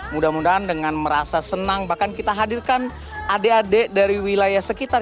mudah mudahan dengan merasa senang bahkan kita hadirkan adik adik dari wilayah sekitar